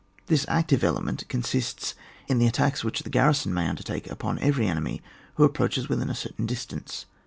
This active element consists in the attacks which the garrison may under take upon every enemy who approaches within a certain distance.